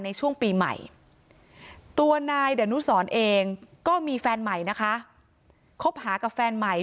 ในช่วงปีใหม่ตัวนายดานุสรเองก็มีแฟนใหม่นะคะคบหากับแฟนใหม่